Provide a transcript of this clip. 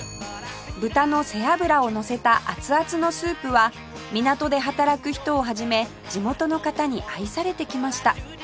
豚の背脂をのせた熱々のスープは港で働く人を始め地元の方に愛されてきました